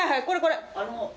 これこれ。